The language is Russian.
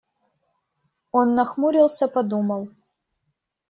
Он нахмурился, подумал.